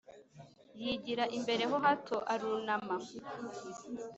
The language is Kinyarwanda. Yigira imbere ho hato arunama